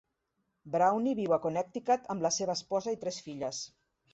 Browne viu a Connecticut amb la seva esposa i tres filles.